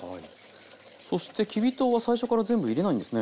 そしてきび糖は最初から全部入れないんですね。